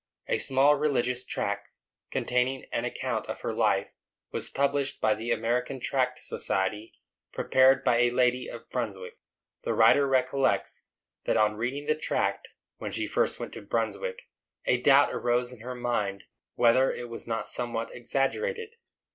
A small religious tract, containing an account of her life, was published by the American Tract Society, prepared by a lady of Brunswick. The writer recollects that on reading the tract, when she first went to Brunswick, a doubt arose in her mind whether it was not somewhat exaggerated.